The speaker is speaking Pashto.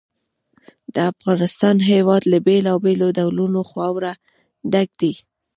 د افغانستان هېواد له بېلابېلو ډولونو خاوره ډک دی.